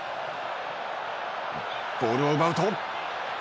ボールを奪うと。